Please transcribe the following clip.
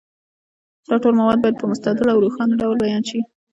دا ټول موارد باید په مستدل او روښانه ډول بیان شي.